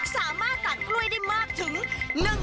สามารถตัดกล้วยได้มากถึง